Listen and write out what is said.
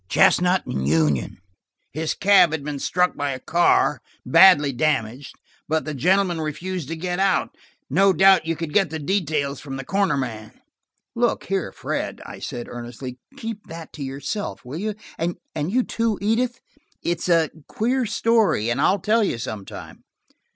"Chestnut and Union. His cab had been struck by a car, and badly damaged, but the gentleman refused to get out. No doubt you could get the details from the corner man." "Look here, Fred," I said earnestly. "Keep that to yourself, will you? And you too, Edith? It's a queer story, and I'll tell you sometime."